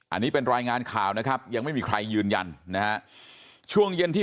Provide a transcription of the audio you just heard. อันนี้เป็นรายงานข่าวนะครับยังไม่มีใครยืนยันนะฮะช่วงเย็นที่